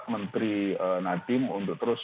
menteri nadiem untuk terus